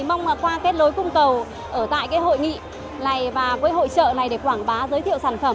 mong qua kết lối cung cầu ở tại hội nghị này và với hội trợ này để quảng bá giới thiệu sản phẩm